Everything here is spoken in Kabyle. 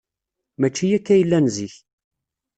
Maci akka ay llan zik.